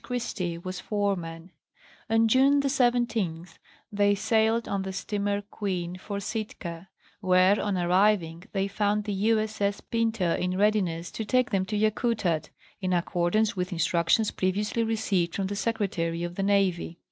Christie was foreman. On June 17, they sailed on the steamer Queen for Sitka, where, on arriving, they found the U. 8. S. Pinta in readiness to take them to Yakutat, in accordance with instructions previously received from the Secre tary of the Navy.